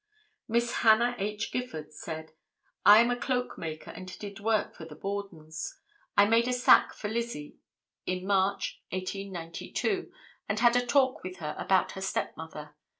Mrs. Hannah H. Gifford said: "I am a cloak maker and did work for the Bordens. I made a sack for Lizzie in March, 1892, and had a talk with her about her stepmother.